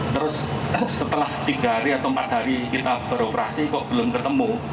terus setelah tiga hari atau empat hari kita beroperasi kok belum ketemu